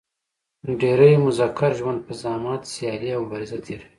ډېری مذکر ژوند په زحمت سیالي او مبازره تېروي.